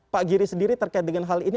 pak giri sendiri terkait dengan hal ini